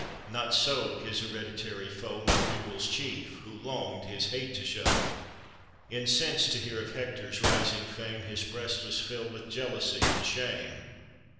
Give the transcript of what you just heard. — Not so his hereditary foe, MacDougall's chief, who longed his hate to show; Incensed to hear of Hector's rising fame, His breast was filled with jealousy and shame.